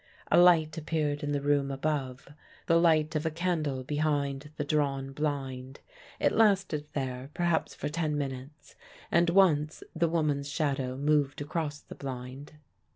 A light appeared in the room above; the light of a candle behind the drawn blind. It lasted there perhaps for ten minutes, and once the woman's shadow moved across the blind.